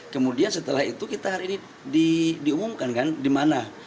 kemudian setelah itu kita hari ini diumumkan kan di mana